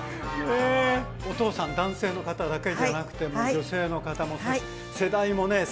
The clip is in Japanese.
お父さん男性の方だけじゃなくて女性の方もそして世代もね